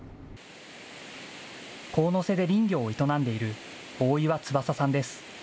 神瀬で林業を営んでいる大岩翼さんです。